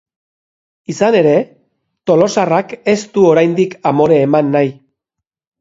Izan ere, tolosarrak ez du oraindik amore eman nahi.